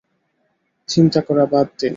চিন্তা করা বাদ দিন।